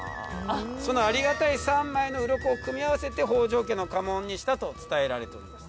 そのありがたい３枚のうろこを組み合わせて北条家の家紋にしたと伝えられております。